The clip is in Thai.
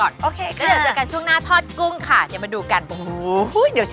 เดี๋ยวช่วงนี้เราตักใส่จานก่อน